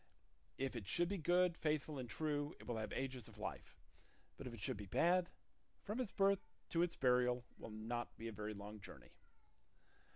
If it should be good, faithful, and true, it will have ages of life; but if it should be bad, from its birth to its burial will not be a very long journey."